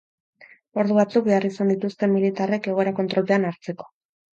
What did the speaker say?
Ordu batzuk behar izan dituzte militarrek egoera kontrolpean hartzeko.